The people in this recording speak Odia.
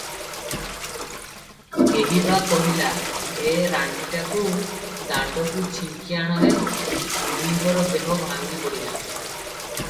କେହି ବା କହିଲା "ଏ ରାଣ୍ଡିଟାକୁ ଦାଣ୍ଡକୁ ଝିଙ୍କି ଆଣ ହେ?" ବୁଢ଼ୀଙ୍କର ଦେହ ଭାଙ୍ଗିପଡ଼ିଲା ।